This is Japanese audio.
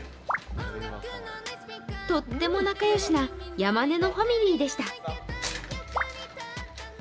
とっても仲良しなヤマネのファミリーでした。